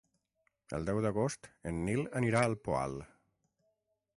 El deu d'agost en Nil anirà al Poal.